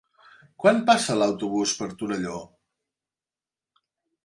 Quan passa l'autobús per Torelló?